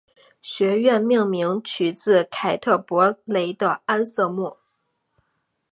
学院命名取自坎特伯雷的安瑟莫。